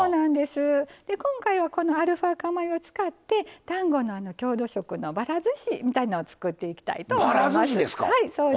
今回はアルファ化米を使って丹後の郷土食のばらずしみたいのを作っていきたいと思います。